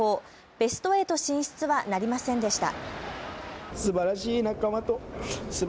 ベスト８進出はなりませんでした。